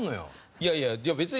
いやいや別に。